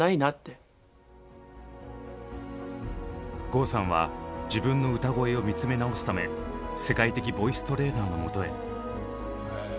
郷さんは自分の歌声を見つめ直すため世界的ボイストレーナーのもとへ。